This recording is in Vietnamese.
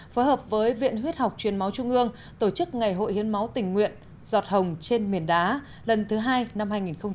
phối hợp với viện huyết học truyền máu trung ương tổ chức ngày hội hiến máu tình nguyện giọt hồng trên miền đá lần thứ hai năm hai nghìn hai mươi